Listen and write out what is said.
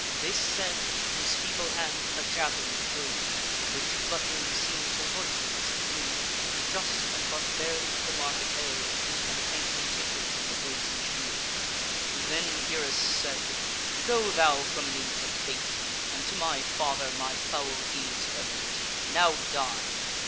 "This said, his feeble hand a javelin threw, Which, flutt'ring, seem'd to loiter as it flew: Just, and but barely, to the mark it held, And faintly tinkled on the brazen shield. "Then Pyrrhus thus: 'Go thou from me to fate, And to my father my foul deeds relate. Now die!